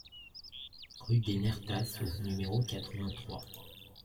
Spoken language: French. Rue des Nertas au numéro quatre-vingt-trois